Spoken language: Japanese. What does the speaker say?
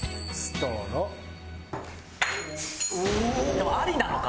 でもありなのか？